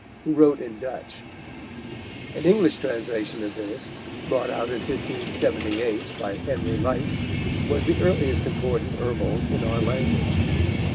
who wrote in Dutch. An English translation of this, brought out in 1578, by Henry Lyte, was the earliest important Herbal in our language.